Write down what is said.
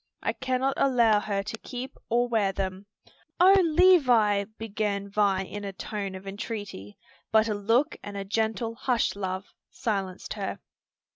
I cannot allow her to keep or wear them." "O Levis!" began Vi in a tone of entreaty; but a look and a gentle "Hush, love!" silenced her.